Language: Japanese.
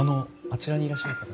あちらにいらっしゃる方。